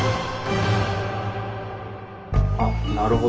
あっなるほど。